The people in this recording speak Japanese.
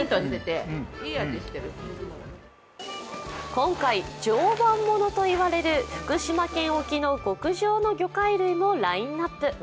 今回、常磐物と言われる福島県沖の極上の魚介類もラインナップ。